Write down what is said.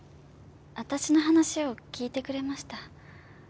私の話を聞いてくれました。